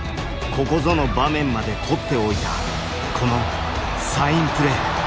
ここぞの場面まで取っておいたこのサインプレー。